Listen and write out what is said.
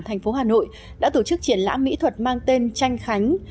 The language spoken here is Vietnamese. thành phố hà nội đã tổ chức triển lãm mỹ thuật mang tên tranh khánh